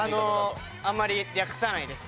あまり略さないです